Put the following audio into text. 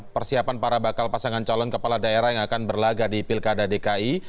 persiapan para bakal pasangan calon kepala daerah yang akan berlaga di pilkada dki